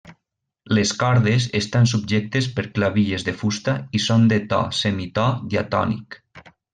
Les cordes estan subjectes per clavilles de fusta i són de to semitò diatònic.